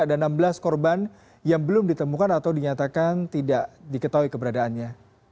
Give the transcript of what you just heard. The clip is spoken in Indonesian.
ada enam belas korban yang belum ditemukan atau dinyatakan tidak diketahui keberadaannya